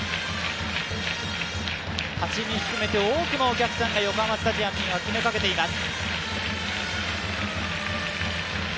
立ち見含めて多くのお客さんが横浜スタジアムには詰めかけています。